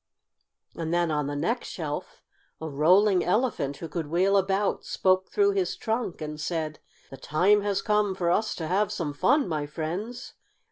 And then, on the next shelf, a Rolling Elephant, who could wheel about, spoke through his trunk, and said: "The time has come for us to have some fun, my friends!"